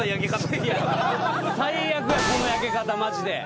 最悪やこの焼け方マジで。